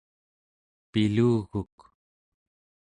piluguk